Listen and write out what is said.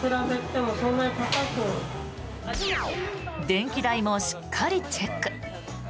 電気代もしっかりチェック。